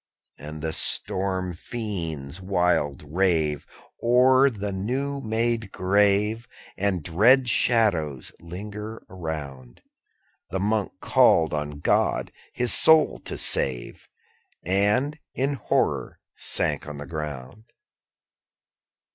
_70 13. And the storm fiends wild rave O'er the new made grave, And dread shadows linger around. The Monk called on God his soul to save, And, in horror, sank on the ground.